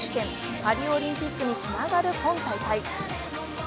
パリオリンピックにつながる今大会。